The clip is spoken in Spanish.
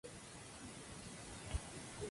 La producción estuvo a cargo del propio Garner.